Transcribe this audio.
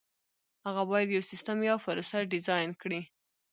هغه باید یو سیسټم یا پروسه ډیزاین کړي.